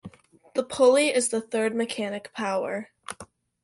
The pulley is the third mechanic power.